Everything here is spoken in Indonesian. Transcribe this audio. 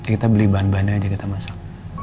kita beli bahan banda aja kita masak